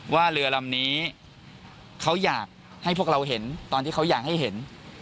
ว่าเรือลำนี้เขาอยากให้พวกเราเห็นตอนที่เขาอยากให้เห็น